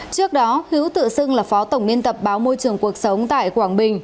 trước đó hữu tự xưng là phó tổng nguyên tập báo môi trường cuộc sống tại quang bình